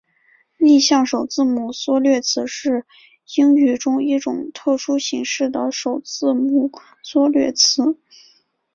逆向首字母缩略词是英语中一种特殊形式的首字母缩略词。